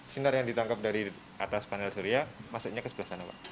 sinar yang ditangkap dari atas panel surya masuknya ke sebelah sana pak